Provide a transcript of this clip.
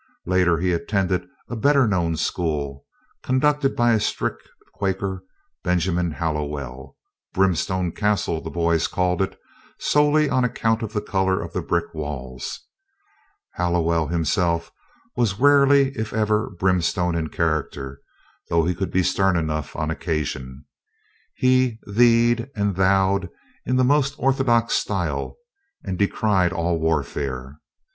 Later he attended a better known school, conducted by a strict Quaker, Benjamin Hallowell Brimstone Castle, the boys called it, solely on account of the color of the brick walls. Hallowell himself was rarely if ever brimstone in character, though he could be stern enough on occasion. He "thee'd" and "thou'd" in the most orthodox style, and decried all warfare.